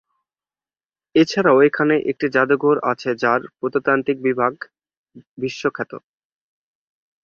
এছাড়াও এখানে একটি জাদুঘর আছে যার প্রত্নতাত্ত্বিক বিভাগ বিশ্বখ্যাত।